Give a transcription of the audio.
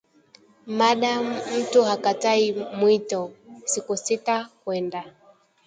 Maadamu mtu hakatai mwito, sikusita kwenda